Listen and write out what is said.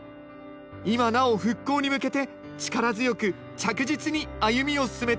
今なお復興に向けて力強く着実に歩みを進めています。